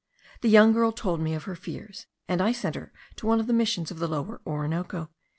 The young girl told me of her fears, and I sent her to one of the missions of the Lower Orinoco."